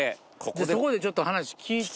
そこでちょっと話聞いて。